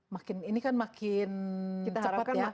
makin ini kan makin cepat ya